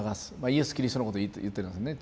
イエスキリストのこと言ってるんですね。